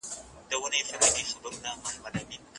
ښار لرو.